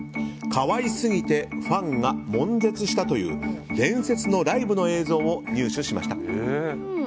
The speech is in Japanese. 可愛すぎてファンが悶絶したという伝説のライブの映像を入手しました。